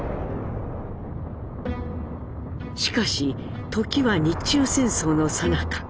しかし時は日中戦争のさなか。